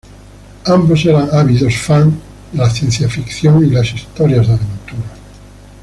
Ambos eran ávidos fans de la ciencia ficción y las historias de aventura.